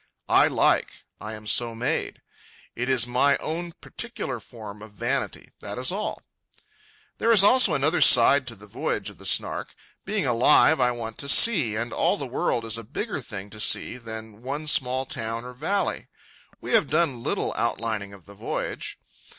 I like. I am so made. It is my own particular form of vanity, that is all. There is also another side to the voyage of the Snark. Being alive, I want to see, and all the world is a bigger thing to see than one small town or valley. We have done little outlining of the voyage.